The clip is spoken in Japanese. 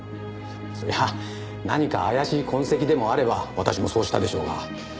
そりゃあ何か怪しい痕跡でもあれば私もそうしたでしょうが。